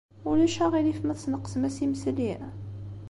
Ulac aɣilif ma tesneqsem-as imesli?